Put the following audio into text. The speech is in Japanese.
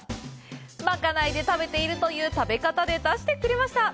まかないで食べているという食べ方で出してくれました。